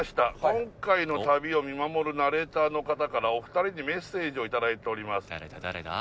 「今回の旅を見守るナレーターの方からお二人にメッセージを頂いております」誰だ？